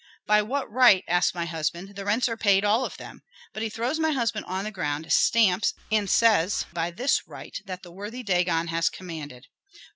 'By what right?' asks my husband; 'the rents are paid, all of them.' But he throws my husband on the ground, stamps, and says, 'By this right, that the worthy Dagon has commanded.'